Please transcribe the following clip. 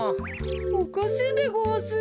おかしいでごわす。